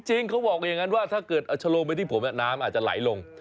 จริงเขาบอกอย่างนั้นว่าถ้าเกิดเอาชะลงไปที่ผมน้ำอาจจะไหลลง